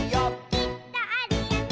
「きっとあるよね」